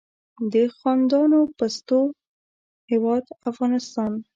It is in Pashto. د خندانو پستو هیواد افغانستان.